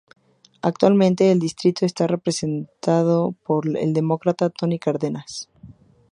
Actualmente el distrito está representado por el Demócrata Tony Cardenas.